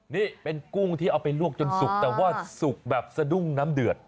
นี่เป็นกุ้งที่เอาไปลวกจนสุกแต่ว่าสุกแบบสะดุ้งน้ำเดือด